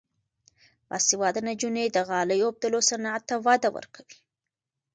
باسواده نجونې د غالۍ اوبدلو صنعت ته وده ورکوي.